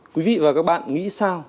quý vị và các bạn nghĩ sao